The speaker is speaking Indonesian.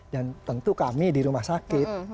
dan tentu kami di rumah sakit